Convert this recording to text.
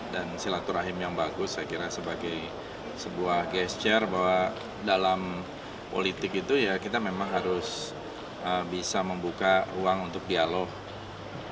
dan silaturahim yang bagus saya kira sebagai sebuah gesture bahwa dalam politik itu ya kita memang harus bisa membuka ruang untuk dialog